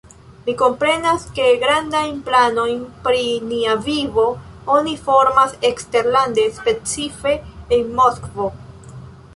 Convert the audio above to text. Ni komprenas ke grandajn planojn pri nia vivo oni formas eksterlande, specife en Moskvo.